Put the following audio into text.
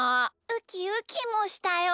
ウキウキもしたよ。